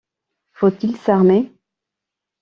Faut-il s’armer?...